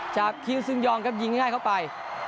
จากคิวซึงยองครับยิงง่ายเข้าไป